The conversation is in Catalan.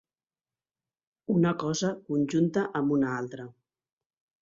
Una cosa conjunta amb una altra.